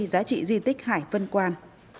giá trị di tích hải vân quan